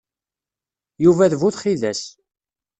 Yuba d bu txidas.